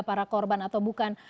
para korban atau bukan